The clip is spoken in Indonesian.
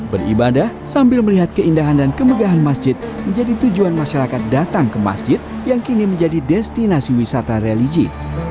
beribadah sambil melihat keindahan dan kemegahan masjid menjadi tujuan masyarakat datang ke masjid yang kini menjadi destinasi wisata religi